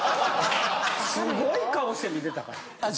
すごい顔して見てた。